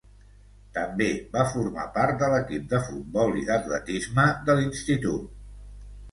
També va formar part de l'equip de futbol i d'atletisme de l'institut.